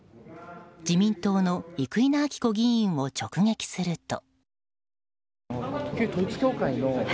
自民党の生稲晃子議員を直撃すると。